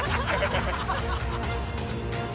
ハハハ